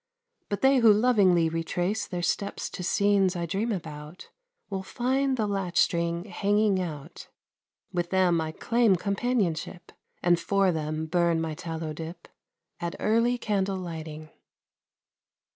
But they who lovingly retrace Their steps to scenes I dream about, Will find the latch string hanging out. With them I claim companionship, And for them burn my tallow dip, At early candle lighting.